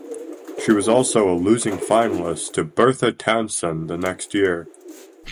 She was also a losing finalist to Bertha Townsend the next year.